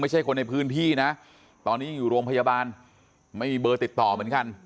คนในพื้นที่นะตอนนี้ยังอยู่โรงพยาบาลไม่มีเบอร์ติดต่อเหมือนกัน